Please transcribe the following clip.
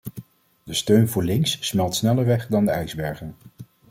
De steun voor links smelt sneller weg dan de ijsbergen.